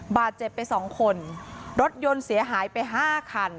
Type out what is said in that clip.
บาดเจ็บไปสองคนรถยนต์เสียหายไปห้าคัน